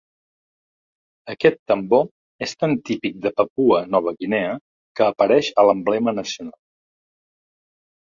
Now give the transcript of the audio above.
Aquest tambor és tan típic de Papua Nova Guinea que apareix a l'emblema nacional.